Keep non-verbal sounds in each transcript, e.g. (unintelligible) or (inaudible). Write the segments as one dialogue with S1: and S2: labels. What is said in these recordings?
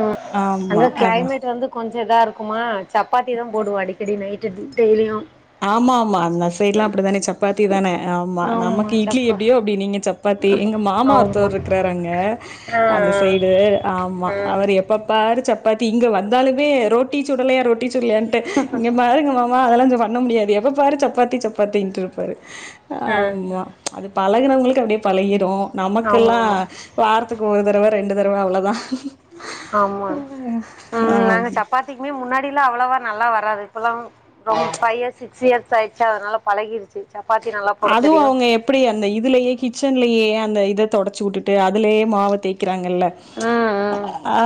S1: ம்
S2: ஆமா
S1: அங்க
S2: அதா
S1: க்ளைமேட் வந்து கொஞ்சோ இதா இருக்குமா சப்பாத்தி தா போடுவோ அடிக்கடி நைட்டு டெய்லியு
S2: ஆமா ஆமா அந்த சைட்லா அப்டித்தானே சப்பாத்தி தான ஆமா நமக்கு இட்லி எப்டியோ அப்டி நீங்க சப் பாத்தி எங்க மாமா
S1: ஆமா
S2: ஒருத்தவர் இருக்றாரு அங்க
S1: ஆ
S2: அந்த சைடு ஆமா
S1: ஆ
S2: அவர் எப்பப்பாரு சப்பாத்தி இங்க வந்தாலுமே ரோட்டி சுடலையா ரொட்டி சுடலையான் கேட் டு இங்க பாருங்க மாமா அதெல்லா‌ இங்க பண்ண முடியாது எப்ப பாரு சப்பாத்தி சப்பாத்தின்ட்டு இருப்பாரு
S1: ம் ம்
S2: ஆமா அது பழகினவங்களுக்கு அப்டியே பழகிரு
S1: ஆமா
S2: நமக்கெல்லா
S1: ஆமா
S2: வாரதுக்கு ஒரு தடவ ரெண்டு தடவ அவ்ள தா
S1: ஆமா ம்
S2: ஆ
S1: நாங்க சப்பாத் திக்மே முன்னாடிலா அவ்ளவா நல்லா வராது இப்பெலாம் ரொம் பை இயர்ஸ் சிக்ஸ் இயர்ஸ் ஆய்சா அதால பழகிர்ச்சி
S2: அதுவு அவங்க எப்டி அந்த இதுலயே கிச்சன்லயே அந்த இது தொடச்சு உட்டுட்டு அதுலேயே மாவ தேக் க்கிறாகல்ல
S1: ம் ம்
S2: ஆ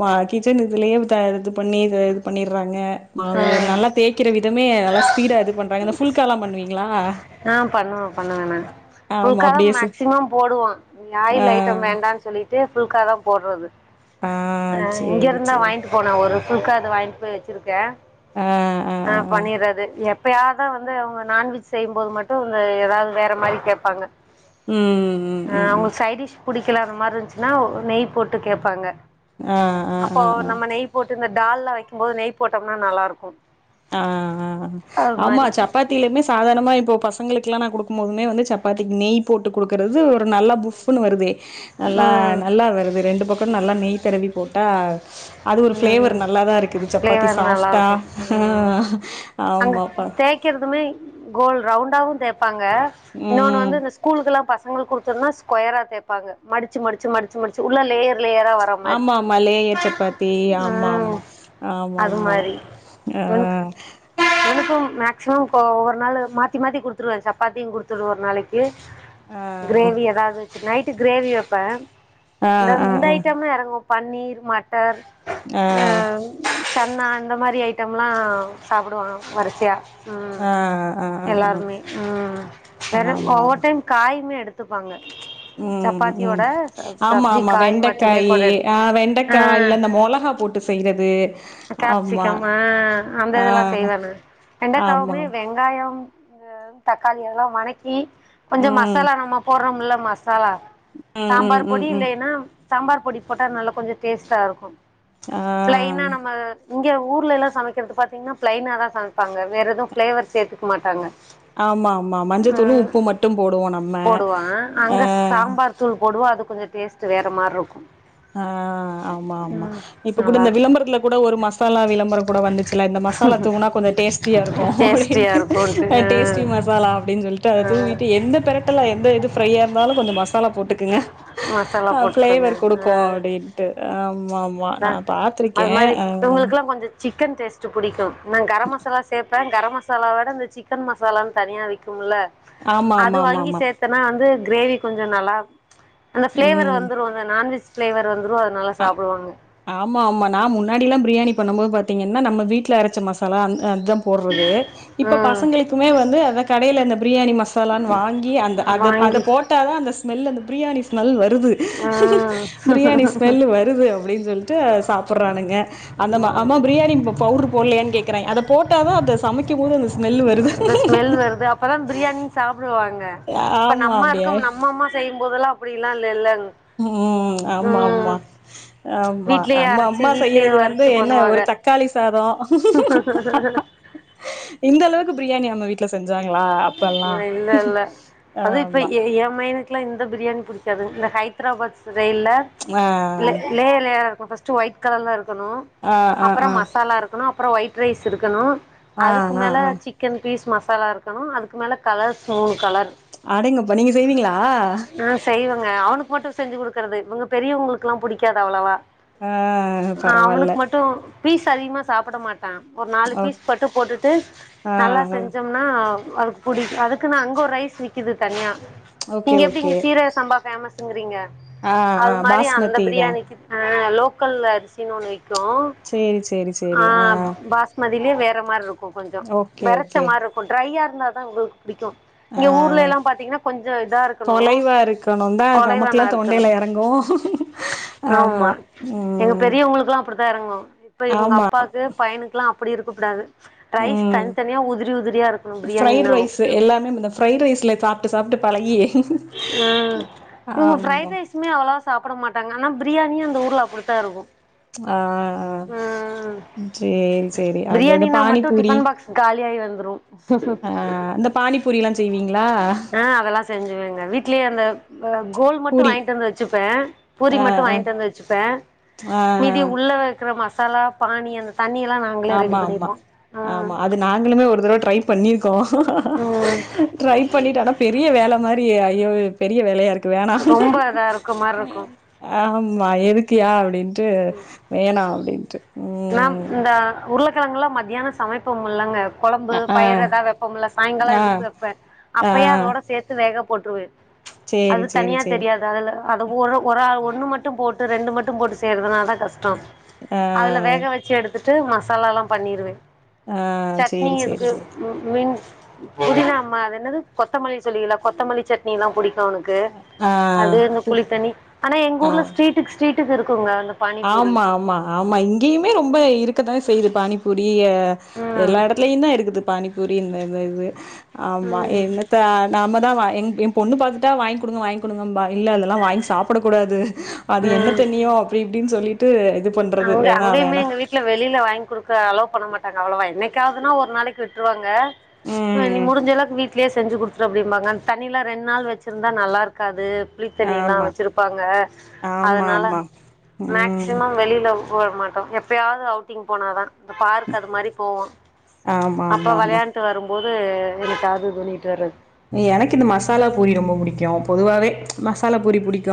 S2: மா கிச்சன் இதுலயே த இது பண்ணி இது பண்ணிற்றாங்க மாவு
S1: ம்
S2: நல்லா தேக் க்கிற விதமே நல்லா ஸ்பீட இது பண்ணறாங்க இந்த ஃபுல் காலா பண்ணுவீங்களா
S1: ஆ பண்ணுவம் பண்ண வேனா
S2: ஆமா
S1: புல்கா தா
S2: அப்டியே சு
S1: மேக்சிமம் போடுவே
S2: ஆ
S1: ஆயில் ஐட்டம் வேண்டான் சொல்லி இதே ஃபுல் கா தா போற்றது
S2: ஆ
S1: ஆ இங்க
S2: சேரி
S1: இருந்தா
S2: சேரி
S1: வாங்கிட் போன ஒரு ஃபுல்கா இது வாங்ட் போய் வச்சிருக்கே ஆ பண்ணிற்றது எப்பயா ன்னா வந்து அவங்க நான்வெஜ் செய்யும்போது மட்டு இவங்க இறால் ஏதாவது வேற மாரி கேப்பாங்க
S2: ம் ம்
S1: ஆ
S2: ம் ம்
S1: அவுங்களுக் சைடிஷ் புடிக்கலா அந்த மார்ரு இருந்துச்சுன்னா நெய் போட்டு கேப்பாங்க
S2: ஆ ஆ
S1: அப்போ
S2: ஆ ஆ
S1: நம்ம நெய் போட்டு இந்த டால்ல்லா வெக்கும்போது நெய் போட்டம்னா நல்லா இருக்கு
S2: ஆ ஆ ஆமா சப்பாத்திலுமே சாதாரணமா இப்போ பசங்களுக்கெல்லா நா குடுக்கும் போதுமே வந்து சப்பாத்திக் நெய் போட்டு குடுக்கறது ஒரு நல்ல ஃபுப்ஃபுன்னு வருதே நல்லா
S1: ம்
S2: நல்லா வருது ரெண்டு பக்கோ நல்லா நெய் தடவி போட்டா அது ஒரு ஃப்ளேவர்
S1: ம்
S2: நல்லா தா இருக்குது சப்பாத்தி
S1: ஃப்ளேவர்
S2: சாஃப்ட்டா
S1: நல்லாருக்கு
S2: ஆ ஆமா பா
S1: தேக்கிற்துமே கோல் ரவுண்டாவு தேப்பாங்க இன்னொன்னு
S2: ம்
S1: வந்து இந்த சி ஸ்கூலுக்குல்லா பசங்கள்க் கொடுக்கிறதுனா ஸ்கொயரா தேப்பாங்க மடிச்சி மடிச்சி மடிச்சி மடிச்சி உள்ள லேயர் லேயரா வர மாரி
S2: ஆமா ஆமா லேயர் சப்பாத் சே ஆமா
S1: ம்
S2: ஆமா ஆமா ஆமா ஆ
S1: உனக்கும் மேக்சிமம் ப்போ ஒர் நாளு மாத்தி மாத்தி குடுத்துருவே சப்பாத்தியு குடுத்துரு ஒரு நாளைக் கு கிரேவி எதாவ்து வச்சு நைட்டு கிரேவி வெப்பே
S2: ஆ
S1: இந்த
S2: ஆ ஆ
S1: இந்த
S2: ஆ
S1: ஐட்டம்னா எறங்கு பன்னீர் மட்டர்
S2: ஆ
S1: அ சன்னா அந்த மாரி ஐட்டம்லா சாப்புடுவாங்க வருசையா ம்
S2: ஆ ஆ ஆ ஆ
S1: எல்லாருமே ம்
S2: ஆ
S1: வேற
S2: ஆமா ஆமா
S1: ஒவ்வொர் டைம் காயுமே எடுத் த்துப்பாங்க
S2: ம் ம்
S1: சப்பாத்தியோட சப்
S2: ஆமா
S1: சப்ஜி
S2: ஆமா
S1: காய் மட்டுமே
S2: வெண்டைக்காயி
S1: கூட
S2: ஆ
S1: எடுத் ஆ
S2: வெண்டைக்கா இல்ல இந்த மொளகா போட்டு செய்றது ஆமா
S1: கேப்சிகம் ஆ அந்த
S2: ஆ
S1: இதெல்லா செய்வாம
S2: ஆமா
S1: வெண்டகாவுமே வெங்காயம் ஆ தக்காளி அதெல்லாம் வனக்கி கொஞ்சம்
S2: ம்
S1: மசாலா நம்ம போற்றோம்ல மசாலா
S2: ம் ம்
S1: சாம்பார்
S2: ம்
S1: பொடி
S2: ம்
S1: இல்லேன்னா சாம்பார் பொடி போட்டா நல்லா கொஞ்ச டேஸ்ட்டா இருக்கு
S2: ஆ
S1: பிளைன்னா நம்ம இங்க ஊர்ல எல்லா சமைக்கிறது பாத்தீங்ன்னா பிளைனா தா சமைப்பாங்க வேற எதுவு பிளேவர் சேத்துக்க மாட்டாங்க
S2: ஆமா ஆமா மஞ்சத்தூளு
S1: ம்
S2: உப்பு மட்டும் போடுவோ நம்ம
S1: போடுவான்
S2: ஆ
S1: அங்க சாம்பார் தூள் போடுவோ அது கொஞ்ச டேஸ்ட்டு வேற மார்ருக்கு
S2: ஆ ஆமா ஆமா இப்ப கூட
S1: நல்லா
S2: இந்த
S1: இருக்கு
S2: விளம்பரத்துல கூட ஒரு மசாலா விளம்பரம் கூட வந்துச்சுல இந்த மசாலா தூவுனா கொஞ்ச டேஸ் டியா இருக்கு
S1: டேஸ்ட்டியா இருக்குன்ட்டு
S2: அப்டின் டேஸ்டி மசாலா அப்டின் சொல்லிட்டு அத
S1: ஆ
S2: தூவிட்டு
S1: ஆ
S2: எந்த பெரட் ட்டல எந்த இது ஃப்ரையா இருந்தாலு கொஞ்ச மசாலா போட்டுக்கங்க
S1: மசாலா போட்டுக்கோங்க
S2: ஃப்ளேவர் கொடுக்கு அப்டி டின்ட்டு ஆமா ஆமா
S1: ம
S2: நா பாத்திருக்கே
S1: அது மாரி
S2: ஆ
S1: இவங்களுக்கெல்லலா கொஞ்ச சிக்கன் டேஸ்ட் புடிக்கு நா கரம் மசாலா சேப் கரம் மசாலா விட இந்த சிக்கன் மசாலான் தனியா விக்கும்ல
S2: ஆமா
S1: அது
S2: ஆமா ஆமா
S1: வாங்கி
S2: ஆமா
S1: சேத் த்தனா வந்து கிரேவி கொஞ்ச நல்லா அந்த ஃபிளேவர்
S2: ம்
S1: வந்துரு அந்த நான்வெஜ் ஃபிளேவர் வந்துரு நல்லா
S2: ஆ
S1: சாப்டுவாங்க
S2: ஆமா ஆமா நா முன்னாடி எல்லா பிரியாணி பண்ணும் போது பாத்தீங்கன்னா நம்ம வீட்ல அரச்ச மசாலா அந் அதா போடுறது இப்ப
S1: ம்
S2: பசங்களுக்குமே வந்து அத கடையில அந்த பிரியாணி மசா சாலான் வாங்கி அந்த அத அத
S1: வாங்கி
S2: போட்ட தா அந்த ஸ்மெல் அந்த பிரியாணி ஸ்மெல் வ ருது பிரியாணி
S1: ம்
S2: ஸ்மெல் வருது அப்டின் சொல்ட்டு சாப்புறானுங்க அந்த மா அம்மா பிரியாணி பவுடர் போடலையான் கேக்குறா அத போட்டாதா அந்த சமைக்கும் போது அந்த ஸ்மெல் வருது
S1: து அப்பதா பிரியாணின் சாப்பிடுவாங்க இப்ப
S2: ஆமா
S1: நம்ம
S2: அப்டியா
S1: இருக்கும் நம்ம அம்மா செய்யும் போதெல்லா அப்படில்லா இல்ல இல்லங்
S2: ம் ஆமா ஆமா ஆமா
S1: வீட்லயே
S2: நம்ம
S1: அரச்சு
S2: அம்மா
S1: வீட்லயே
S2: செய்யறது வந்து
S1: வறுத்து
S2: என்ன
S1: பண்ணுவாங்க
S2: ஒரு தக் காளி சாதோ இந்த அளவுக்கு பிரியாணி நம்ம வீட்ல செஞ்சாங்களா அப்பல்லா
S1: இல்ல இல்ல அது இப்ப
S2: ஆமா
S1: ஏ ஏமயனுக் எனக்குலா இந்த பிரியாணி புடிக்காது இந்த ஹைதராபாத் ஸ்ரயில
S2: ஆ
S1: லே லேயரா இருக்கு ஃபஸ் ஒயிட் கலர்ல இருக்கணு
S2: ஆ ஆ
S1: அப்பற
S2: ஆ
S1: மசாலா இருக்கணு அப்பற ஒயிட் ரைஸ் இருக்கணு
S2: ஆ
S1: அதுக்கு
S2: ஆ
S1: மேல
S2: ஆ
S1: சிக்கன் பீஸ் மசாலா இருக்கணு அதுக்கு மேல கலர்ஸ் மூணு கலர்
S2: அடேங்கப்பா நீங்க செய்வீங்களா
S1: ஆ செய்வங்க அவனுக்கு மட்டு செஞ்சு குடுக்குறது இவங்க பெரியவங்களுக்கு எல்லா புடிக்காது அவ்ளவா
S2: ஆ
S1: ஆ
S2: பரவால்ல
S1: அவனுக்கு மட்டு பீஸ் அதிகமா சாப்ட மாட் டா ஒரு நாலு
S2: ஓ
S1: பீஸ் மட்டு போட்டுட்டு
S2: ஆ
S1: நல்லா
S2: ஆ
S1: செஞ்சம்னா அதுக்கு புடி அதுக்குன்னா அங்க ஒரு ரைஸ் விக்குது தனியா
S2: ஓகே
S1: நீங்க எப்டி
S2: ஓகே
S1: இங்க சீரக ச சம்பா ஃபேமஸ்ங்கீரிங்க
S2: ஆ ஆ
S1: அது மாதிரி அந்த
S2: பாஸ்மதி தா
S1: பிரியாணிக்கு அ லோக்கல் அரிசின் ஒண்ணு விக்கு
S2: சேரி சேரி
S1: அ
S2: சேரி ஆ
S1: பாஸ் மதியிலயே வேற மாரி இருக்கு கொஞ்சோ
S2: ஓகே
S1: வெரச்ச
S2: ஓகே
S1: மாரி இருக்கு ட்ரையா இருந்தா தா இவங்களுக்கு புடிக்கு
S2: ஆ
S1: இங்க ஊர்ல எல்லா பாத்தீங்கன்னா கொஞ்ச இதா இருக்கணு
S2: தொலைவா இருக்கணு தா
S1: கொலைவனா
S2: நமக்குல்லா
S1: இருக்கணு
S2: தொண்டையில எறங்கு
S1: ஆமா எங்க பெரியவங்களுக்குல்லா அப்டிதா எறங்கு இப்ப இவங்க
S2: ஆமா
S1: அப்பாக்கு பையனுக்குல்லா அப்டி இருக்கக்கூடாது ரைஸ்
S2: ம்
S1: தனித்தனியா உதிரி உதிரியா இருக்கணு
S2: ஃப்ரைட்
S1: பிரியாணினாலு
S2: ரைஸு எல்லாமே இந்த ஃப்ரைட் ரைஸில சாப்ட்டு சாப்ட்டு பழகி
S1: அ இவங்க
S2: ஆமா
S1: ஃப்ரைட் ரைஸ் மே அவ்வளவா சாப்ட மாட்டாங்க ஆனா பிரியாணியு அந்த ஊர்ல அப்டிதா இருக்கு
S2: ஆ
S1: ம்
S2: சேரி சேரி அதாது
S1: பிரியாணினா மட்டு
S2: பானிபூரி
S1: டிஃபன் பாக்ஸ் காலியாயி வந்துறு
S2: அ இந்த பானிபூரி எல்லா செய்வீங்களா
S1: அதல்லா செஞ்சுவங்க வீட்லயே அந்த கோல் மட்டு
S2: பூரி
S1: வாங்கிட்டு வந்து வச்சுப்ப பூரி
S2: ஆ
S1: மட்டு
S2: ஆ
S1: வாங்கிட்டு வந்து வச் ச்சுப்ப
S2: ஆ
S1: மீதி உள்ள வைக்கிற மசாலா பானி அந்த தண்ணி எல்லா நா நாங்களே ரெடி
S2: ஆமா ஆமா
S1: பண்ணிருவோ அ
S2: ஆமா அது நாங்களுமே ஒரு தடவ ட்ரை பண்ணிருக்கோ
S1: ம்
S2: ட்ரை பண்ணிட்ட ஆனா பெரிய வேல மாரி ஐயோ பெரிய வேல மயா இருக்கு க்கு வேணா
S1: ரொம்ப இதா இருக்க மாரி இருக்கு
S2: ஆமா எதுக்கு ஏ அப்டின்ட்டு வேணா அப்டின்ட்டு
S1: மேம்
S2: ம்
S1: இந்த உருளக்கிழங்கலா மத்தியானோ சமைப்போம் இல்லங்க குழம்பு
S2: அ ஆ
S1: பயிரு ஏதா வப்போம்ல்ல சாய்ங்காலம்
S2: ஆ
S1: எதுக்கு வப்ப
S2: ஆ
S1: அப்பயே அதோட சேர்த்து த்து வேக போட்ருவ
S2: சேரி
S1: அது
S2: சேரி
S1: தனியா
S2: சேரி
S1: தெரியாது அதுல அது ஒரு ஒறால் ஒண்ணு மட்டு போட்டு ரெண்டு மட்டு போட்டு செய்யறதுனால கஷ்டோ
S2: அ
S1: வேக வச்சி எடுத்துட்டு மசாலாலா பண்ணிருவ
S2: ஆ
S1: சட்னி
S2: சேரி சேரி
S1: எதுக்கு
S2: சேரி
S1: மீன் புதினா அம்மா அது என்னது கொத்தமல்லி சொல்லுவேல்ல கொத்தமல்லி சட்னில்லா புடிக் அவனுக்கு
S2: ஆ
S1: அது இந்த புளித்தண்ணி ஆனா எங்க
S2: ஆ
S1: ஊர்ல ஸ்டீட்டுக்கு ஸ்டீட்டுக்கு இருக்குங்க பானிபூரி
S2: ஆமா ஆமா ஆமா இங்கேயுமே ரொம்ப இருக்கத்தா செய்யுது பானிபூரி
S1: ம்
S2: எல்லா எடத் க்ளையுதா இருக்குது பானிபூரி இந்த இந்த இது ஆமா
S1: ம்
S2: என்னத்த நாம தா எம் எம் பொண்ணு பாத்துட்டா வாங் குடுங்க வாங் குடுங்கம்பா இல்ல அதெல்லா வாங் சாப்புடக் கூடாது அது என்ன
S1: ம்
S2: தண்ணியோ அப்டி இப்டின் சொல்லிட்டு இது பண்றது வேணா வேணா
S1: வீடல வெளியில வாங்கி குடுக்க அலோ பண்ண மாட்டாங்க அவ்ளவா என்னைக்காவுதுனா ஒரு நாளைக் விட்ருவாங்க நீ
S2: ம்
S1: முடுஞ்சலவுக் வீட் வீட்லயே செஞ்சி குடுத்துரு அப்டிம்பாங்க அந்த தண்ணி லா ரெண் நாள் வச்சிருந்தா நல்லாருக்காது புளி தண்ணில்லா
S2: ஆமா
S1: வச்சிருப்பாங்க
S2: ஆமா
S1: அதனால
S2: ஆமா ம்
S1: மேக்ஸிமம் வெளிய இல்ல வரமாட்டோ எப்யாது அவுட்டிங் போனாதா இந்த பார்க் அது மாரி போவோ
S2: ஆமா
S1: அப்ப
S2: ஆமா ஆமா
S1: வளையாண் ண்டு வரும்போது எனன டார்ஜர் பன்னிட்டு வர்ரது
S2: எனக்கு இந்த மசாலா பூரி ரொம்ப புடிக்கு பொதுவாவே மசாலா பூரி புடிக்கு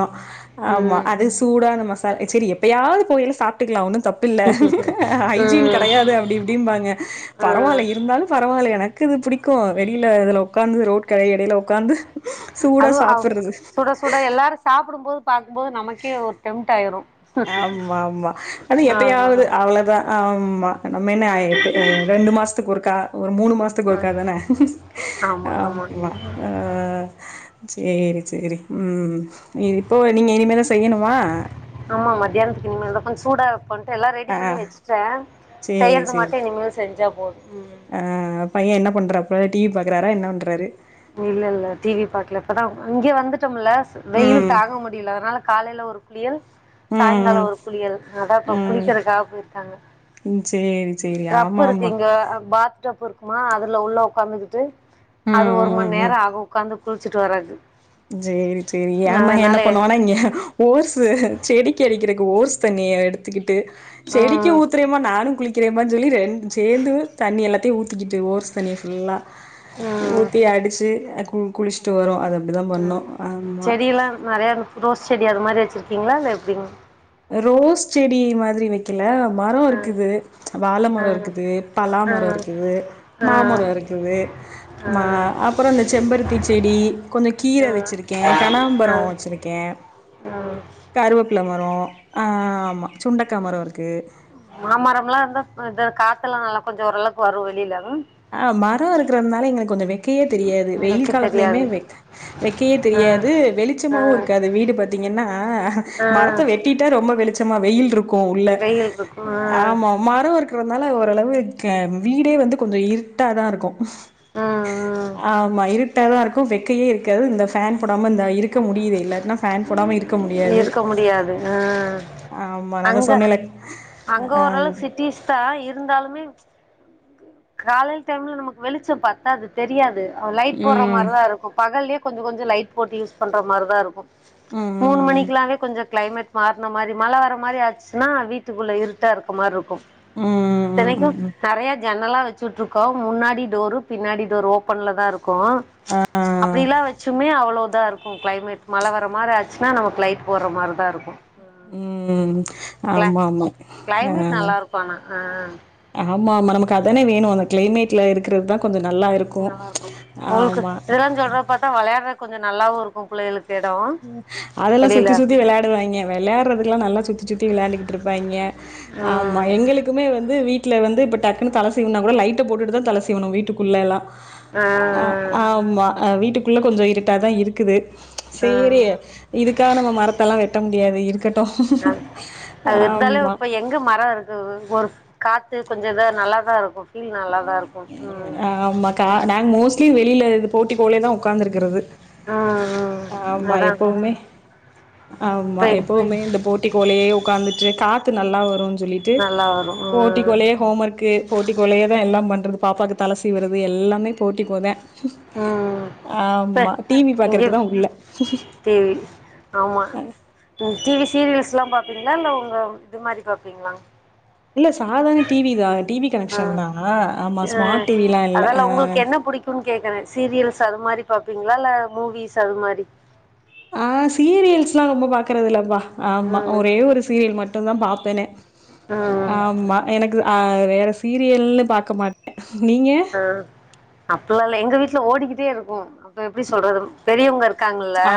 S2: ஆமா
S1: ம்
S2: அது சூடான மசால சேரி எப்பயாது போவயலா சாப்புட்டுக்கலா ஒண்ணு தப்பு இல்ல ஹைஜின்
S1: ம்
S2: கடையாது அப்டி இப்டிம்பாங்க
S1: ம்
S2: பரவாயில்ல இருந்தாலு பரவாயில்ல எனக்கு இது புடிக்கு வெளியில இதுல உக்காந்து ரோட் கடை யிடையில உக்காந்து சூடா
S1: அதுவு அப்
S2: சாப்புட்றது.
S1: சுட சுட எல்லாரு சாப்புடும்போது பாக்கும்போது நமக்கே ஒரு டெம்ட் ஆயிரு
S2: ஆமா ஆமா ஆனா எப்பயாது அவ்ளதா ஆமா நம்ம என்ன எப்ப ரெண்டு மாசத்துக் ஒருக்கா ஒரு மூணு மாசத் துக்கு ஒருக்கா
S1: ம்
S2: தான
S1: ஆமாங்க
S2: ஆம்மா அ சேரி சேரி ம் நீ இப்போ நீங்க இனிமே தா செய்யணுமா
S1: ஆமா மதியனத்துக்கு இனிமேல் தா கொஞ்ச சூடா பண்ட்டு எல்லா ரெடி
S2: ஆ
S1: பண்ணி வச்சிட்ட செய்றது மட்டு இனிமேல் செஞ்சா போதும் ம்
S2: அ பைய என்ன பண்ணறாப்ல டிவி பாக்றாரா என்ன பண்றாரு
S1: இல்லல்ல டிவி பாக்கல இப்பதா இங்க வந்துட்டோம்ல்ல
S2: ம்.
S1: வெயில் தாங்க முடில அதனால காலையில ஒரு குளியல் சாயங்காலம்
S2: ம்,
S1: ஒரு குளியல் அதா
S2: ம்,
S1: இப்ப குளிக்கறகாக போயிருக்காங்க
S2: ம் சே
S1: டப்பு இருக்கு இங்க பாத் டப்பு இருக்குமா அதுல உள்ள உக்காந்துகிட்டு
S2: ம்,
S1: அது ஒரு மண்
S2: ம், ம்.
S1: நேரோ ஆகு உக்காந்து குள்ச்சிட்டு வர்ரது
S2: சேரி சேரி ஏ மக என்ன பண்ணுவானா இங்க ஓர்ஸ்சு செடிக்கு அடிக்கிறக்கு ஓர்ஸ் தண்ணிய எடுத்துக்கிட்டு செடிக்கி
S1: ம்
S2: ஊத் பிரேம்மா நானு குளிக்கறேமா சொல்லி ரெண்டு சேந்து தண்ணிய எல்லாத்தையு ஊத்திக்கிட்டு ஓர்ஸ் தண்ணிய ஃபுல்லா
S1: ம்
S2: ஊத்தி அடிச்சி குளிச்சிட்டு வரு அது அப்டிதா பண்ணு ஆமா
S1: நறையா ரோஸ் செடி அது மாரி வச்சிருக்கீங்ளா இல்ல எப்டிங்க
S2: ரோஸ் செடி மாதிரி வை க்கில மரோ
S1: ஆ
S2: இருக்குது வாழ
S1: ஆ
S2: மரோ இருக்குது பலா
S1: ஆ
S2: மரோ இருக்குது
S1: ஆ
S2: மாமரோ இருக்குது
S1: ஆ
S2: ம அப்றோ அந்த செம்பருத்தி செடி கொஞ்சோ கீர வச்சிருக் கே கனகாம்பரோ வச்சுருக்கே
S1: அ
S2: கருவப்ல மரோ ஆமா சுண்டக்கா மரோ இருக்கு
S1: மாமரம்ல்லா இருந்தா இது காத்தெல்லா நல்லா கொஞ்சோ ஓரளவுக்கு வரு வெளில ம்
S2: அ மரோ இருக்றதுனால எங்களுக்கு கொஞ்சோ வெக்கயே தெரியாது வெயில்
S1: வைக்க
S2: காலத்துலயுமே
S1: தெரியாது
S2: வெக் வெக்கயே
S1: ஆ
S2: தெரியாது
S1: ஆ
S2: வெளிச்சமாவு இருக்காது வீடு பாத்தீங்கன்னா
S1: ஆ
S2: மரத்த வெட்டிட் வெட்ட ரொம்ப வெளிச்சமா வெயில்ருக்கு உள்ள
S1: வெயில் இருக்கு ஆ
S2: ஆமா மரோ இருக்றதுனால ஓரளவு க வீடே வந்து கொஞ்சோ இருட் டாதாருக்கு
S1: ம் ம்
S2: ஆமா இருட்டாதாருக்கு வெக்கயே இருக்காது இந்த ஃபேன் போடாம இந்த இருக்க முடியுதே இல்லாட்ன்னா ஃபேன் போடாம இருக்க முடியா
S1: இருக்க முடியாது அ
S2: ஆமா நா தா சொன்னேல்ல ஆ
S1: த்தா இருந்தாலுமே காலைல டைம்ல நமக்கு வெளிச்சோ பட் அத அது தெரியாது லைட் போடுற
S2: ம்
S1: மாதிரிதான் இருக்கும் பகல்லயே கொஞ்சம் கொஞ்சம் லைட் போட்டு யூஸ் பண்ற மாதிரிதான் இருக்கும்
S2: ம்
S1: மூணு
S2: ம்
S1: மணிக்லாவே கொஞ்சோ கிளைமேட் மாறுன மாரி மழ வர மாரி ஆச்சுன்னா வீட்டுக்குள்ளே இருட்டா இருக்கமார்ருக்கு
S2: ம் ம்
S1: இத்தனைக்கு
S2: ம்
S1: நறைய ஜன்னலா வச்சுட்டுருக்கோ முன்னாடி டோரு பின்னாடி டோர் ஓப்பன்ல தா இருக் கு
S2: ஆ
S1: அப்டிலா வச்சுமே அவ்ளோதாருக் கு கிளைமேட் மழ வர மாரி ஆச்சுன்னா நமக்கு லைட் போட்ற மாரி தா இருக்கு
S2: ம்
S1: கிளா
S2: ஆமாம்மா ஆ
S1: கிளைமேட் நல்லாருக்கும் ஆனா ஆ
S2: ஆமா நமக்கு அதானே வேணு அந்த கிளைமேட்ல இருக்றது தா கொஞ்சோ நல்லா இருக்
S1: ஒங்ளுக்கு இதெல்லா சொல்றத பாத்தா வெளையாடுறதுக் கொஞ்சோ நல்லாவு இருக்கு பிள்ளைகளுக்
S2: அதெல்லா சுத்தி சுத்தி வெளையாடுவாங்கே வெளையாடுறதுக்ல்லா நல்லா சுத்தி சுத்தி விளையாண்டுகிட்ருப்பாங்கே ஆமா
S1: ம்
S2: எங்ளுக் குமே வந்து வீட்ல வந்து இப்ப டக்குன்னு தல சீவுன்னா கூட லைட்ட போட்டுட்டு தா தல சீவனு வீட்டுக்குள்ளல்லா
S1: ஆ
S2: அ ஆமா அ வீட்டுக்குள்ள கொஞ்சோ இருட்டாதா இருக்குது
S1: ஆ
S2: சேரி இதுக்கா நம்ம மரத்தெல்லா வெட்ட முடியாது இருக்கட்
S1: அ அது இருந்தாலு இப்ப எங்க மரோ இருக் கு ஒரு காத்து கொஞ்சோ இது நல்லாதாருக்கு
S2: ஆமா கா நாங்க மோஸ்ட்லி வெளில இது போர்ட்டிக்கோலே தா ஒக்காந்துருக்றது
S1: ம் ம்
S2: ஆமா
S1: அதா
S2: எப்போமே ஆமா
S1: இப்ப
S2: எப்போமே இந்த போர்ட்டிகோலேயே உக்காந்துட்டு காத்து நல்லா வருன் சொல்லிட்டு
S1: நல்லா வரும் ம்
S2: போர்ட்டிக்கோலே ஹோம்மர்க்கு போர்ட்டிக்கோலயே தா எல்லாம் பண்றது பாப்பாக்கு தல சீவுறது எல்லாமே போர்ட்டிக்கோதே
S1: அ
S2: ஆமா டிவி பாக்குறக்குதா உள்ள
S1: டிவி ஆமா
S2: அ
S1: ம் டிவி சீரியல்ஸ்ல்லா பாப்பீங்ளா இல்ல ஒங்க இது மாரி பாப்பீங்ளா
S2: இல்ல சாதார்ண டிவி தா டிவி
S1: ஆ
S2: கனெக்ஷன் தா ஆமா ஸ்மார்ட் டிவிலா இல்ல அ
S1: டுன் கேக்குறே சீரியல்ஸ் அது மாரி பாப்பீங்ளா இல்ல மூவிஸ் அது மாரி
S2: அ சீரியல்ஸ்ல்லா ரொம்ப பாக்குறது இல்லப்பா ஆமா
S1: ம்
S2: ஒரே ஒரு சீரியல் மட்டுதா பாப்பேனே
S1: ம்
S2: ஆம்மா எனக்கு அ வேற சீரியல்னு பாக்க மாட்டே நீங்க
S1: ஆ அப்பில்லா இல்ல எங்க வீட்ல ஓடிகிட்டே இருக்கு அப்ப எப்டி சொல்றதும் பெரியவுங்க இருக்காங்கில்ல
S2: ஆ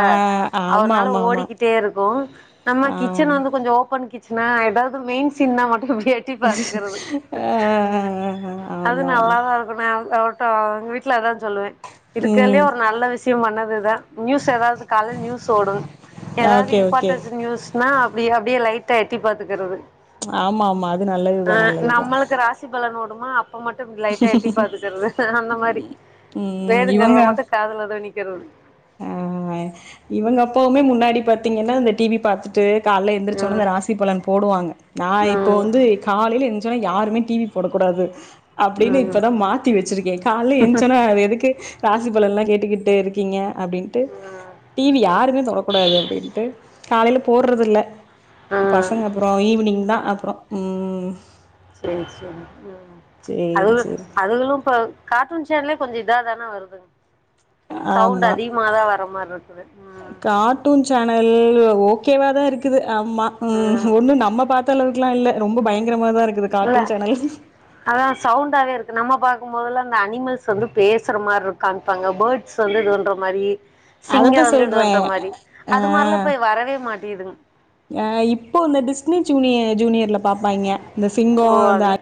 S2: ஆமா
S1: அவர்னால
S2: ஆமா ஆமா
S1: ஓடிகிட்டே இருக்கு நம்ம
S2: ஆ
S1: கிச்சன வந்து கொஞ்சோ ஓப்பன் கிச் சனா எதாவது மெயின் சீன்னா மட்டு (unintelligible) ட்டிப் பாத்துகிறது
S2: ஆ
S1: அது
S2: ஆமா ஆமா
S1: நல்லாதாருக் (unintelligible) வீட்ல அதா சொல்லுவே இருக்கல்லியே
S2: ம்
S1: ஒரு நல்ல விஷ்யம் பண்ணதுதா நியூஸ் எதாவது காலைல் நியூஸ் ஓடு எதாவது
S2: ஓகே ஓகே
S1: இம்பார்ட்டஸ் நியூஸ் னா அப்டி அப்டியே லைட்டா எட்டிப் பாத்துக்கிறது
S2: ஆமா ஆமா அது நல்லதுதா நல்லதுதா
S1: சிப் பலன் ஓடுமா அப்ப மட்டுப் லைட்டா எட்டிப் பாத்துக்கிறது அந்த மாரி
S2: ம்
S1: வேணுங்கிறத
S2: இவங்க
S1: மட்டுக் காதுல துணிக்கிறது
S2: ஆ இவங்க அப்பாவுமே முன்னாடிப் பாத்தீங்கின்னா இந்த டி விப் பாத்துட் டு கால்ல எந்திரச்சோனே
S1: ம்
S2: இந்த ராசிபலன் போடுவாங்க நா இப்போ
S1: ம்
S2: வந்து காலைல எஞ்சோனே யாருமே டி விப் போடக்கூடாது அப்டினு
S1: ம்
S2: இப்பதா மாத்தி வெச்சிருக்கே கால்ல எஞ்சோனே அது எதுக்கு ராசிபலன்லா கேட்டு கிட்டு இருக்கீங்க அப்டின்ட்டு
S1: ம்
S2: டி வி யாருமே தொடக்கூடாது அப்டின்ட்டு காலைலப் போர்றதில்ல
S1: ம்
S2: பசங்க அப்றோ ஈவினிங்தா அப்றோ ம் ம்
S1: சேர் சேரி ம் அதுவுளுப்
S2: சேரி
S1: அதுகுளும் இப்ப கார்டூன் சேன்லே கொஞ்சோ இதாதான வருதுங் சவுண்ட்டு
S2: ஆமா
S1: அதிகமாதா வர மார்ருக்குது ம்
S2: டுன் சேனல் ஓகேவாதா இருக்குது அம்மா ம் ஒன்னு நம்ம பாத்தளவுக்லா இல்ல ரொம்ப பயங்கிரமாதா இருக்குது
S1: இல்ல
S2: கார்ட்டூன் சேனல்
S1: அதா சவுண்டாவேருக்கு நம்ம பாக்கும்போதெல்லா இந்த அனிமல்ஸ் வந்துப் பேசற மார்ருக் காம்ப்பாங்க பேர்ட்ஸ் வந்து இதுவன்ற மாரி சிங்கோ
S2: அததான்
S1: வந்து இது பண்ற
S2: சொல்றேன்
S1: மாரி
S2: ஆ
S1: அது மார்லாம் இப்ப வரவே மாட்டிகிதுங்
S2: அ இப்போ இந்த டிஸ்ட்னி ஜூனி ஜூனியர்லப் பாப்பாய்ங்க இந்த சிங்கோ
S1: ஓ
S2: இந்த
S1: அதுல
S2: அ